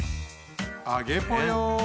あげぽよ！